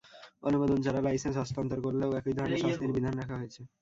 অনুমোদন ছাড়া লাইসেন্স হস্তান্তর করলেও একই ধরনের শাস্তির বিধান রাখা হয়েছে।